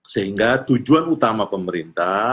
sehingga tujuan utama pemerintah